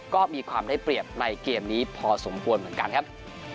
ก็มีความได้เปรียบในเกมนี้พอสมควรเหมือนกันครับ